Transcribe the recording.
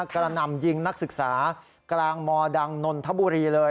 กำลังนำยิงนักศึกษากลางมดนนทบุรีเลย